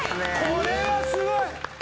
これはすごい！